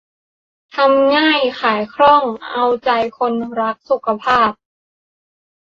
ทำง่ายขายคล่องเอาใจคนรักสุขภาพ